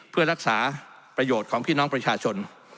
เพื่อรักษาประโยชน์ของพี่น้องประชาชน